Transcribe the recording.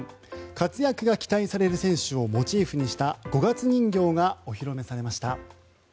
活躍が期待される選手をモチーフにした五月人形がお披露目されました。